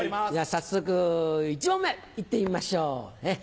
早速１問目いってみましょうね。